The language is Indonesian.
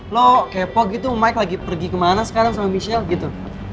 lo k pop gitu mike lagi pergi kemana sekarang sama michelle gitu